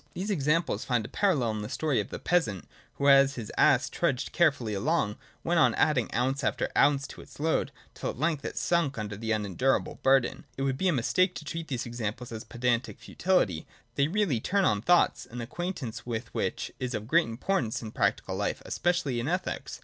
These examples find a parallel in the story of the peasant who, as his ass trudged cheerfully along, went on adding ounce after ounce to its load, till at length it sunk under the unendurable burden. It would be a mistake to treat these examples as pedantic futility ; they really turn on thoughts, an acquaint ance with which is of great importance in practical life, especially in ethics.